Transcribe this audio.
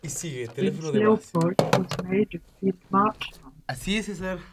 Prince Leopold was made a Field Marshal.